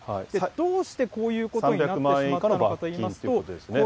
どうしてこういうことになってしまったのかといいますと。